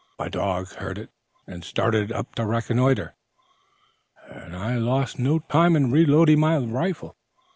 My dog heard it, and started up to reconnoiter, and I lost no time in reloading my rifle.